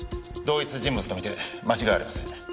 同一人物と見て間違いありません。